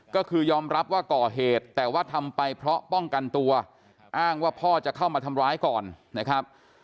ก็คือยอมรับว่าก่อเหตุแต่ว่าทำไปเพราะป้องกันตัวอ้างว่าพ่อจะเข้ามาทำร้ายก่อนนะครับ